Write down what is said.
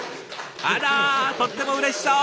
あらとってもうれしそう。